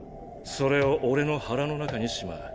それを俺の腹の中にしまう。